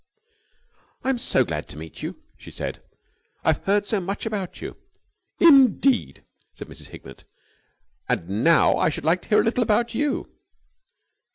"I'm so glad to meet you," she said. "I have heard so much about you." "Indeed?" said Mrs. Hignett. "And now I should like to hear a little about you."